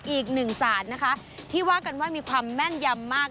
อีกหนึ่งศาสตร์นะคะที่ว่ากันว่ามีความแม่นยำมาก